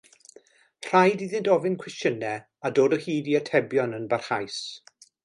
Rhaid iddynt ofyn cwestiynau a dod o hyd i atebion yn barhaus.